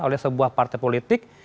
oleh sebuah partai politik